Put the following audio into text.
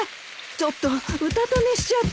ちょっとうたた寝しちゃって。